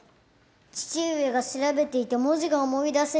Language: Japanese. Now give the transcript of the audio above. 父上が調べていた文字が思い出せぬ。